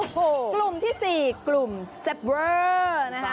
กลุ่มที่สี่กลุ่มแซ่บเวอร์นะคะ